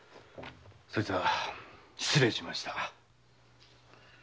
そいつは失礼しました。